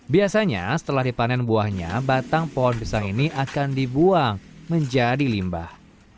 biasanya setelah dipanen buahnya batang pohon pisang ini akan dibuang menjadi limbah